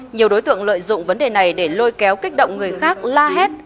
nhiều đối tượng lợi dụng vấn đề này để lôi kéo kích động người khác la hét